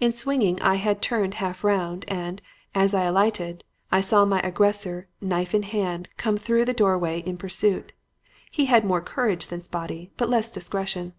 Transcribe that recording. "In swinging I had turned half round, and, as I alighted, I saw my aggressor, knife in hand, come through the doorway in pursuit. He had more courage than Spotty but less discretion.